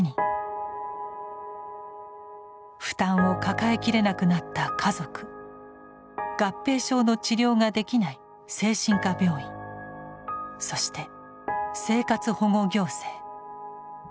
負担を抱えきれなくなった家族合併症の治療ができない精神科病院そして生活保護行政。